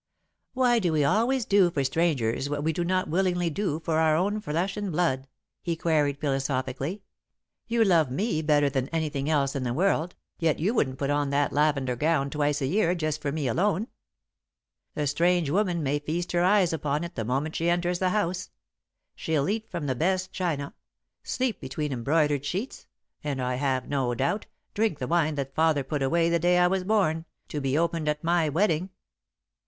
"Why do we always do for strangers what we do not willingly do for our own flesh and blood?" he queried, philosophically. "You love me better than anything else in the world, yet you wouldn't put on that lavender gown twice a year, just for me alone. The strange woman may feast her eyes upon it the moment she enters the house. She'll eat from the best china, sleep between embroidered sheets, and, I have no doubt, drink the wine that Father put away the day I was born, to be opened at my wedding."